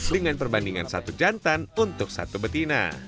dengan perbandingan satu jantan untuk satu betina